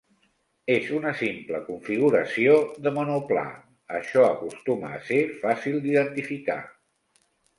En una simple configuració de monoplà, això acostuma a ser fàcil d'identificar.